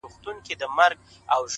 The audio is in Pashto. دوى خو ـ له غمه څه خوندونه اخلي ـ